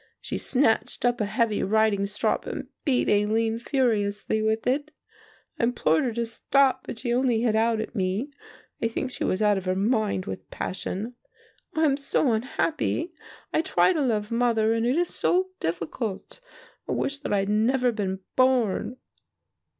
She snatched up a heavy riding strop and beat Aline furiously with it. I implored her to stop but she only hit out at me. I think she was out of her mind with passion. "Oh, I am so unhappy. I try to love mother and it is so difficult. I wish that I had never been born."